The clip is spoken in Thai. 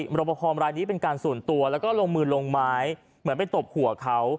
ประคอมรายนี้เป็นการส่วนตัวแล้วก็ลงมือลงไม้เหมือนไปตบหัวเขา